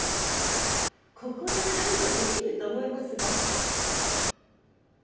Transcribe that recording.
ここで狩りはできぬと思いますが？